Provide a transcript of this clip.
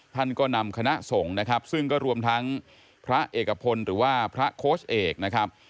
ท่านก็นำคณะสงฆ์นะครับซึ่งก็รวมทั้งพระเอกพลหรือว่าพระโค้ชเอกนะครับ